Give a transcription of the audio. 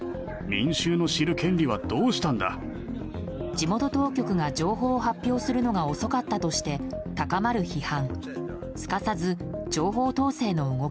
地元当局が情報を発表するのが遅かったとして高まる批判。